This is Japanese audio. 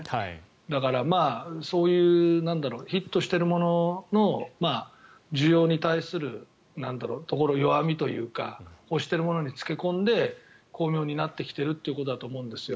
だから、ヒットしているものの需要に対するところの弱みというか欲してるところに付け込んで巧妙になってきているというところだと思うんですよ。